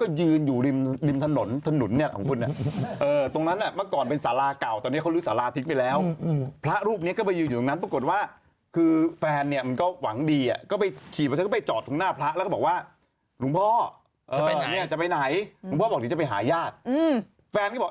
คือผู้ชายขึ้นรถมาก็ขี่มอเทศไทยไป